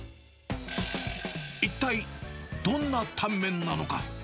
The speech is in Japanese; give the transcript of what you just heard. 一体どんなタンメンなのか。